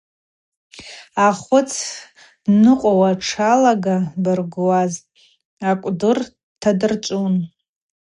Ахвыц дныкъвауа дшалагабыргуаз акӏвдыр дтадырчӏвун.